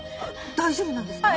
大丈夫なんですか？